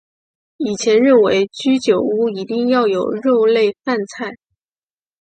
以前认为居酒屋一定要有肉类饭菜。